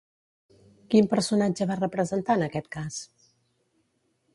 Quin personatge va representar en aquest cas?